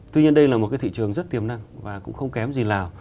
tuy nhiên đây là một cái thị trường rất tiềm năng và cũng không kém gì lào